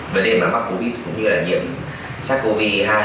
vấn đề mắc covid cũng như là nhiễm sars cov hai